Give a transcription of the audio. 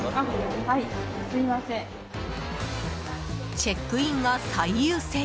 チェックインが最優先。